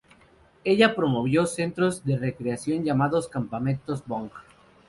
Ella promovió centros de recreación llamados campamentos Bong.